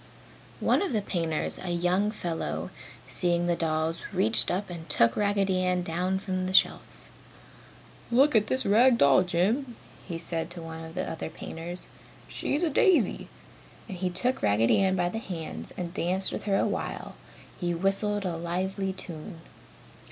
One of the painters, a young fellow, seeing the dolls, reached up and took Raggedy Ann down from the shelf. "Look at this rag doll, Jim," he said to one of the other painters, "She's a daisy," and he took Raggedy Ann by the hands and danced with her while he whistled a lively tune.